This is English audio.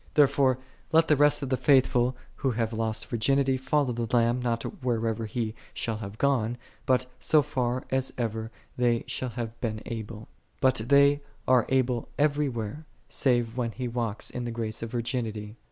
28. Therefore let the rest of the faithful, who have lost virginity, follow the Lamb, not whithersoever He shall have gone, but so far as ever they shall have been able. But they are able every where, save when He walks in the grace of virginity.